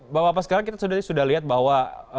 bapak bapak sekarang kita sudah lihat bahwa